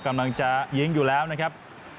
กำลังจะยิงอยู่แล้วนะครับ